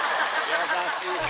優しいな。